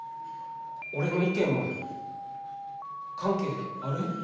俺の意見は関係ある？